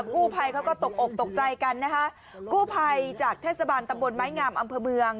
กู้ภัยเขาก็ตกอกตกใจกันนะคะกู้ภัยจากเทศบาลตำบลไม้งามอำเภอเมือง